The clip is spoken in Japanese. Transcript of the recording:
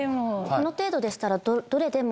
この程度でしたらどれでも。